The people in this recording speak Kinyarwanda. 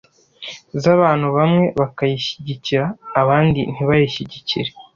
z’abantu bamwe bakayishyigikira abandi ntibayishyigikire.